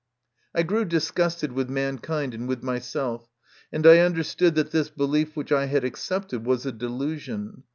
I grew disgusted with mankind and with myself, and I understood that this belief which I had accepted was a delusion.